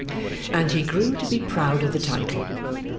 And he grew to be proud of the title.